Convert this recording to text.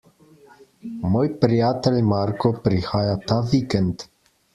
Moj prijatelj Marko prihaja ta vikend.